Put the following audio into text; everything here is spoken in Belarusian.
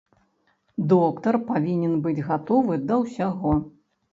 Доктар павінен быць гатовы да ўсяго.